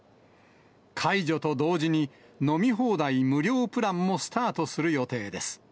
解除と同時に飲み放題無料プランもスタートする予定です。